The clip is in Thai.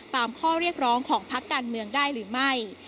ข้อเรียกร้องของพักการเมืองได้หรือไม่